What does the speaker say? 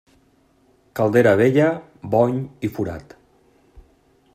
Caldera vella, bony i forat.